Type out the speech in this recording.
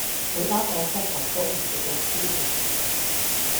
你呃我膝頭哥唔食辣椒醬呀